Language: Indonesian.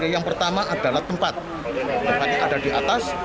yang pertama adalah tempat tempatnya ada di atas